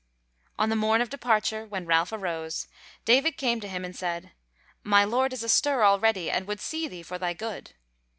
On the morn of departure, when Ralph arose, David came to him and said: "My Lord is astir already, and would see thee for thy good."